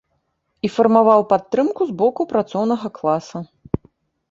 І фармаваў падтрымку з боку працоўнага класа.